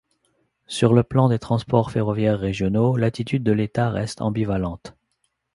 Sur le plan des transports ferroviaires régionaux, l'attitude de l'État reste ambivalente.